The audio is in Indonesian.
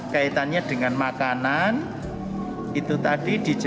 kaitannya dengan makanan itu tadi